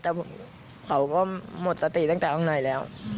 แต่เขาก็หมดสติตั้งแต่ข้างในแล้ว